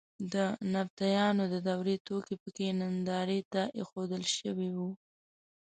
د نبطیانو د دورې توکي په کې نندارې ته اېښودل شوي وو.